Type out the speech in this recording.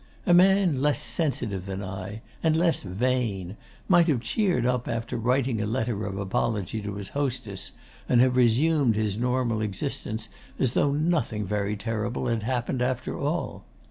A man less sensitive than I, and less vain, might have cheered up after writing a letter of apology to his hostess, and have resumed his normal existence as though nothing very terrible had happened, after all.